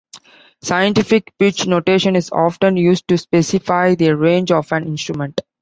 Scientific pitch notation is often used to specify the range of an instrument.